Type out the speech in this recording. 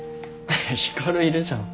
光いるじゃん。